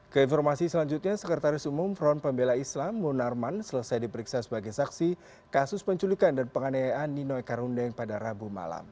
keinformasi selanjutnya sekretaris umum front pembela islam munarman selesai diperiksa sebagai saksi kasus penculikan dan penganiayaan ninoy karundeng pada rabu malam